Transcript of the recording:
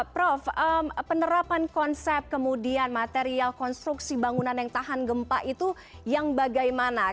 prof penerapan konsep kemudian material konstruksi bangunan yang tahan gempa itu yang bagaimana